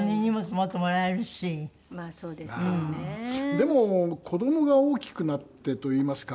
でも子どもが大きくなってといいますか。